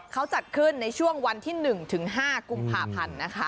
เขาจัดขึ้นในช่วงวันที่๑ถึง๕กุมภาพันธ์นะคะ